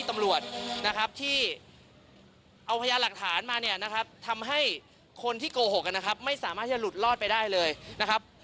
ไม่สามารถที่จะหลุดรอดไปได้เลยนะครับ